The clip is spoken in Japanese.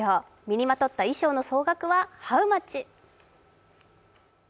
身にまとった衣裳の総額はハウマッチ？